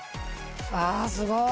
わすごい。